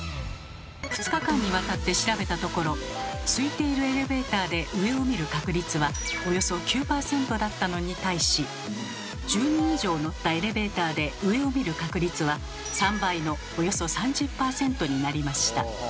２日間にわたって調べたところすいているエレベーターで上を見る確率はおよそ９％だったのに対し１０人以上乗ったエレベーターで上を見る確率は３倍のおよそ３０％になりました。